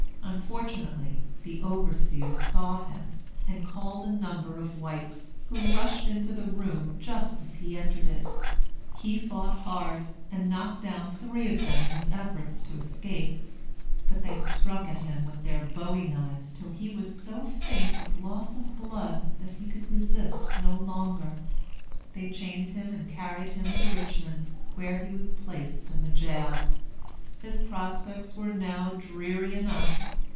Unfortunately, the overseer saw him, and called a number of whites, who rushed into the room just as he entered it. He fought hard, and knocked down three of them in his efforts to escape. But they struck at him with their bowie knives till he was so faint with loss of blood that he could resist no longer. They chained him and carried him to Richmond, where he was placed in the jail. His prospects were now dreary enough.